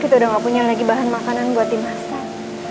kita udah gak punya lagi bahan makanan buat dimasak